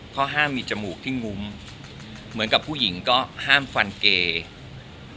ข้อห้ามมีจมูกที่งุ้มเหมือนกับผู้หญิงก็ห้ามฟันเกย์